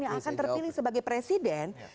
yang akan terpilih sebagai presiden